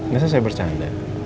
nggak saya bercanda